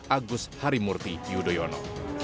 agus harimurti yudhoyono